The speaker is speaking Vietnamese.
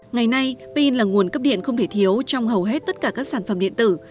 ngày nay pin là nguồn cấp điện không thể thiếu trong hầu hết tất cả các sản phẩm điện tử